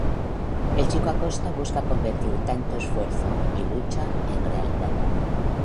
El chico Acosta busca convertir tanto esfuerzo y lucha en realidad.